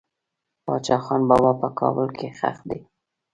باچا خان بابا په کابل کې خښ دي.